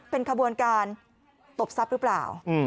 เป็นขบวนการตบทรัพย์หรือเปล่า